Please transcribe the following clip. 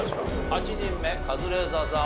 ８人目カズレーザーさん